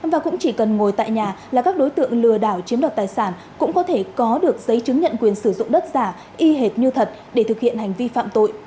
và cũng chỉ cần ngồi tại nhà là các đối tượng lừa đảo chiếm đoạt tài sản cũng có thể có được giấy chứng nhận quyền sử dụng đất giả y hệt như thật để thực hiện hành vi phạm tội